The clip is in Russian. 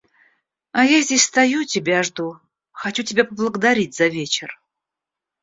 А я здесь стою и тебя жду, хочу тебя поблагодарить за вечер.